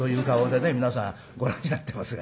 皆さんご覧になってますがね